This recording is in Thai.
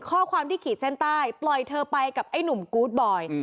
ข้อความที่ขีดเส้นใต้ปล่อยเธอไปกับไอ้หนุ่มกู๊ดบอย